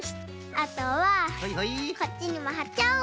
あとはこっちにもはっちゃおう。